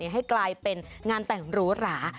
ให้กลายเป็นงานแต่งหรูหรา